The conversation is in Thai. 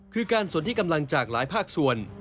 คือการสนที่กำลังจากหลายภาคส่วน